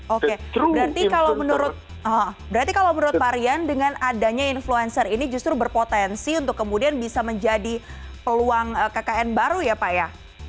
oke berarti kalau menurut berarti kalau menurut pak rian dengan adanya influencer ini justru berpotensi untuk kemudian bisa menjadi peluang kkn baru ya pak ya